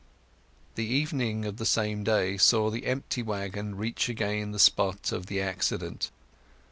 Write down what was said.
The evening of the same day saw the empty waggon reach again the spot of the accident.